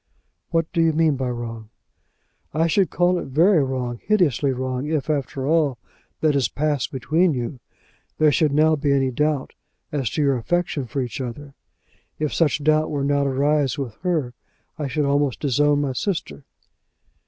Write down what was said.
"What do you mean by wrong?" "I should call it very wrong, hideously wrong, if after all that has passed between you, there should now be any doubt as to your affection for each other. If such doubt were now to arise with her, I should almost disown my sister."